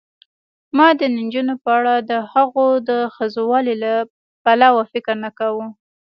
ما د نجونو په اړه دهغو د ښځوالي له پلوه فکر نه کاوه.